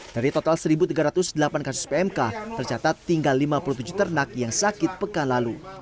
dari total satu tiga ratus delapan kasus pmk tercatat tinggal lima puluh tujuh ternak yang sakit pekan lalu